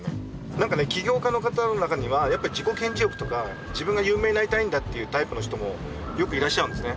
何かね起業家の方の中にはやっぱり自己顕示欲とか自分が有名になりたいんだっていうタイプの人もよくいらっしゃるんですね。